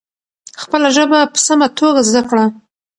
خپله ژبه په سمه توګه زده کړه.